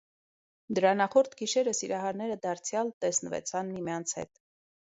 Դրա նախորդ գիշերը սիրահարները դարձյալ տեսնվեցան միմյանց հետ: